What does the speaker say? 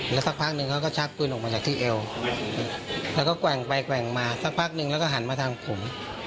แล้วสักพักหนึ่งเขาก็ชักปืนออกมาจากที่เอวแล้วก็แกว่งไปแกว่งมาสักพักนึงแล้วก็หันมาทางผม